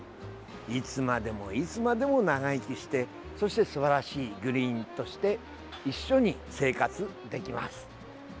いつまでもいつまでも長生きしてそしてすばらしいグリーンとして一緒に生活できます。